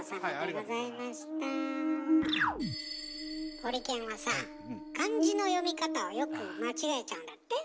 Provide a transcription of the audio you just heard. ホリケンはさあ漢字の読み方をよく間違えちゃうんだって？